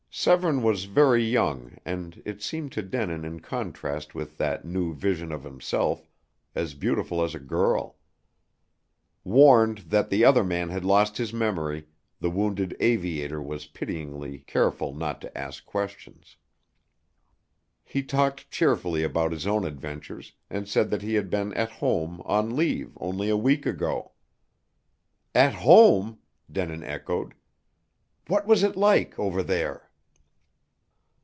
Severne was very young and, it seemed to Denin in contrast with that new vision of himself, as beautiful as a girl. Warned that the other man had lost his memory, the wounded aviator was pityingly careful not to ask questions. He talked cheerfully about his own adventures, and said that he had been "at home" on leave only a week ago. "At home!" Denin echoed. "What was it like over there?"